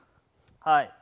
はい。